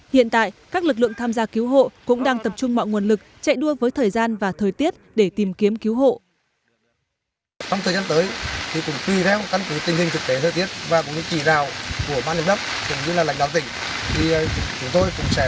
hiện tại các lực lượng tham gia cứu hộ cũng đang tập trung mọi nguồn lực chạy đua với thời gian và thời tiết để tìm kiếm cứu hộ